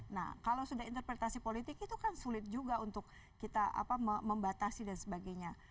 nah kalau sudah interpretasi politik itu kan sulit juga untuk kita membatasi dan sebagainya